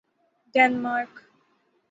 Denmark